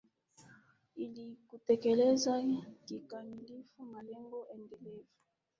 ili kutekeleza kikamilifu malengo endelevu